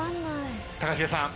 高重さん